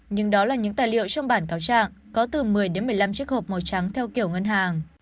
nhưng đó là những tài liệu trong bản cáo trạng có từ một mươi đến một mươi năm chiếc hộp màu trắng theo kiểu ngân hàng